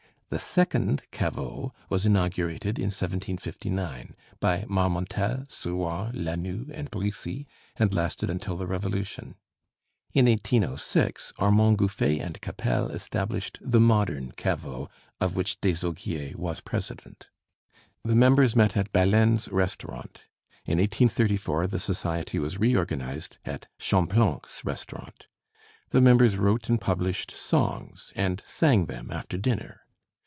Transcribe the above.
The second Caveau was inaugurated in 1759 by Marmontel, Suard, Lanoue, and Brissy, and lasted until the Revolution. In 1806 Armand Gouffé and Capelle established the modern Caveau, of which Désaugiers was president. The members met at Balaine's restaurant. In 1834 the society was reorganized at Champlanc's restaurant. The members wrote and published songs and sang them after dinner.